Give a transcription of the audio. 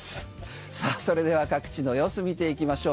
さあ、それでは各地の様子見ていきましょう。